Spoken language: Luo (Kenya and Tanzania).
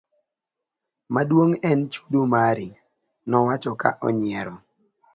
Mduong en chudo mari, nowacho ka onyiero.